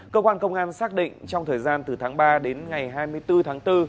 cơ quan công an xác định trong thời gian từ tháng ba đến ngày hai mươi bốn tháng bốn